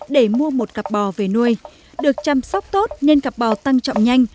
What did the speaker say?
để mua một cặp bò về nuôi được chăm sóc tốt nên cặp bò tăng trọng nhanh